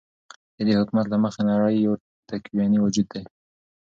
ددي حكومت له مخې نړۍ يو تكويني وجود دى ،